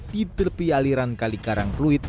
di terpi aliran kalikarang pluit